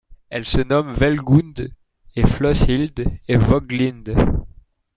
Elles se nomment Wellgunde, Flosshilde et Woglinde.